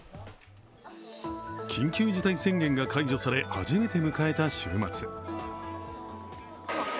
緊急事態宣言が解除され初めて迎た週末。